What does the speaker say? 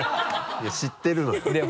いや知ってるのよ